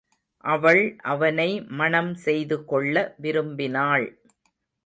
அவள் அவனை மணம் செய்து கொள்ள விரும்பினாள்.